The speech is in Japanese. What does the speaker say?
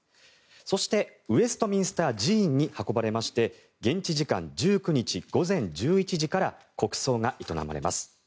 そしてウェストミンスター寺院に運ばれまして現地時間１９日午前１１時から国葬が営まれます。